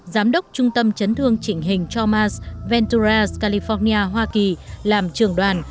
giám đốc trung tâm chấn thương chỉnh hình chalmers venturas california hoa kỳ làm trường đoàn